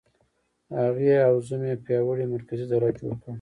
هغې او زوم یې پیاوړی مرکزي دولت جوړ کړ.